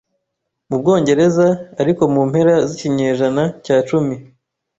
mu Bwongereza Arikomu mpera zikinyejana cya cumi